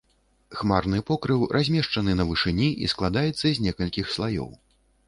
Хмарны покрыў размешчаны на вышыні і складаецца з некалькіх слаёў.